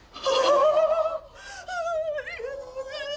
ありがとうございます！